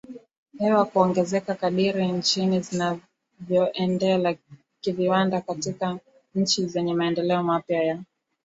hewa kuongezeka kadiri nchi zinavyoendela kiviwanda Katika nchi zenye maendeleo mapya ya